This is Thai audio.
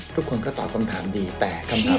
ทุกคนก็ตอบคำถามดีแต่คำถามสุดท้าย